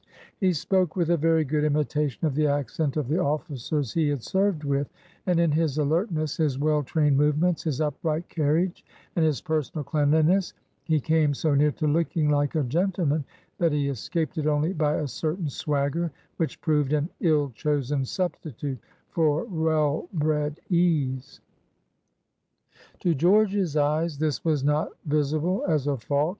He spoke with a very good imitation of the accent of the officers he had served with, and in his alertness, his well trained movements, his upright carriage, and his personal cleanliness, he came so near to looking like a gentleman that he escaped it only by a certain swagger, which proved an ill chosen substitute for well bred ease. To George's eyes this was not visible as a fault.